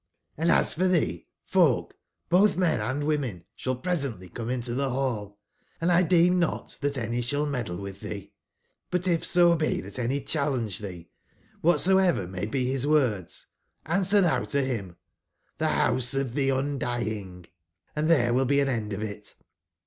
Hnd as for thee, folh, bothmenandwomen, shall pre/ sentlycomeintothehall,&tdeemnotthatanyshaU meddle with thee ; but if so be that any challenge thee, whatsoever may be his words, answer thou to him, xne noase of rne ajs[DYij^(3,'and there will be an end of it.